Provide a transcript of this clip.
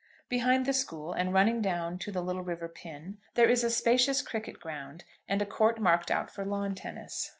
Behind the school, and running down to the little river Pin, there is a spacious cricket ground, and a court marked out for lawn tennis.